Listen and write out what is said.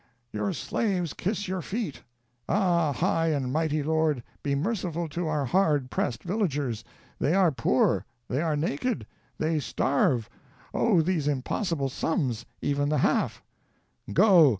"Your slaves kiss your feet! Ah, high and mighty lord, be merciful to our hard pressed villagers: they are poor, they are naked, they starve ; oh, these impossible sums ! even the half " "Go